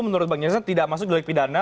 menurut bang jansen tidak masuk delik pidana